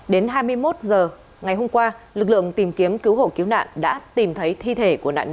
đến hai mươi một h ngày hôm qua lực lượng tìm kiếm cứu hộ cứu nạn đã tìm thấy thi thể của nạn nhân